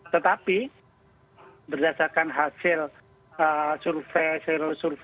tetapi berdasarkan hasil survei